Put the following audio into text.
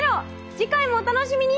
次回もお楽しみに！